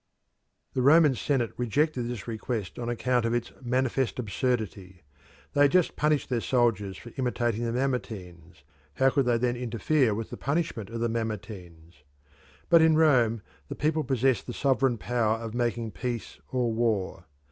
The Roman Senate rejected this request on account of its "manifest absurdity." They had just punished their soldiers for imitating the Mamertines; how then could they interfere with the punishment of the Mamertines? But in Rome the people possessed the sovereign power of making peace or war.